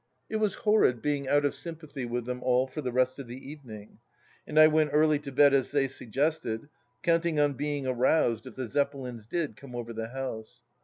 It was horrid, being out of sympathy with them all for the rest of the evening, and I went early to bed as they suggested, counting on being aroused if the Zeppelins did come over the house.